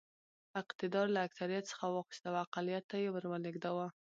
اقتدار له اکثریت څخه واخیست او اقلیت ته یې ور ولېږداوه.